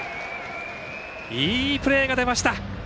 いいプレーが出ました。